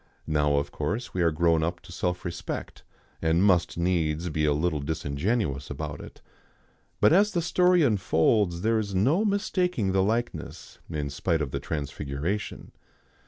Now of course we are grown up to self respect, and must needs be a little disingenuous about it. But as the story unfolds there is no mistaking the likeness, in spite of the transfiguration.